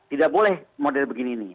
tidak boleh model begini ini